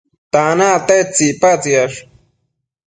tanac tedtsi icpatsiash?